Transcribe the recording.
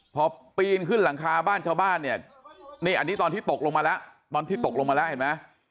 พอปีนขึ้นหลังคาบ้านชาวบ้านเนี่ยนี่อันนี้ตอนที่ตกลงมาแล้ว